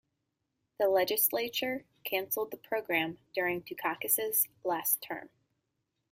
The legislature canceled the program during Dukakis's last term.